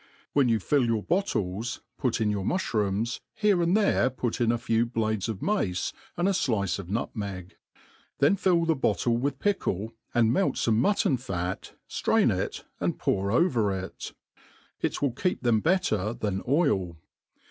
Whcti you fill your bottles, pft in your mufhroonrs, here and there put in a few blades of mace, and a (lice of nutmeg ; then fill the bottle with pickle, and melt fome mutton fat, flrain it, and pour over it. It will keep them better than oil.